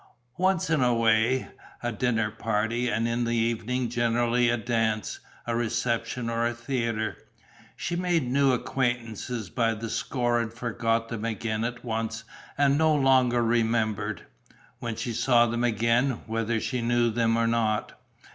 Once in a way, a dinner party; and in the evening generally a dance, a reception or a theatre. She made new acquaintances by the score and forgot them again at once and no longer remembered, when she saw them again, whether she knew them or not.